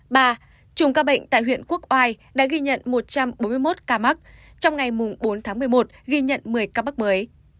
ba chủng ca bệnh tại huyện quốc oai đã ghi nhận một trăm bốn mươi một ca mắc trong ngày bốn tháng một mươi một ghi nhận một mươi ca mắc mới